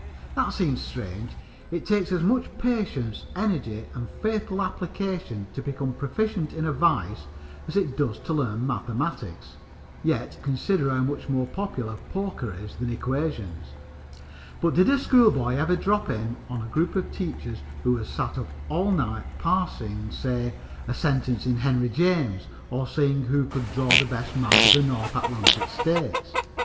That seems strange. It takes as much patience, energy and faithful application to become proficient in a vice as it does to learn mathematics. Yet consider how much more popular poker is than equations! But did a schoolboy ever drop in on a group of teachers who had sat up all night parsing, say, a sentence in Henry James, or seeing who could draw the best map of the North Atlantic states?